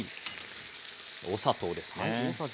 お砂糖ですね。